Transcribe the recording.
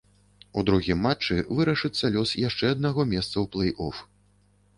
У другім матчы вырашыцца лёс яшчэ аднаго месца ў плэй-оф.